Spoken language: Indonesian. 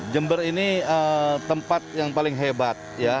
jember ini tempat yang paling hebat